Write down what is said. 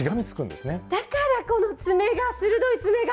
だからこのつめが鋭いつめが！